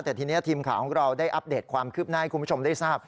แต่ทีนี้ทีมข่าวของเราได้อัปเดตความคืบหน้าให้คุณผู้ชมได้ทราบ